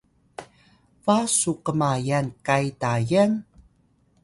ba su kmayan kay Tayan?